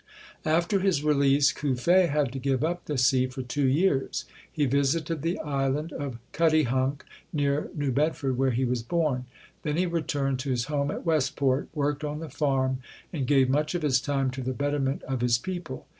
1 After his release, Cuffe had to give up the sea for two years. He visited the Island of Cutty hunk, near New Bedford, where he was born. Then he returned to his home at Westport, worked on the farm and gave much of his time to the betterment of his people.